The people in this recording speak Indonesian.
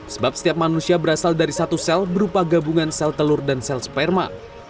sebab setiap manusia berasal dari satu sel berupa gabungan sel telur dan sel sperma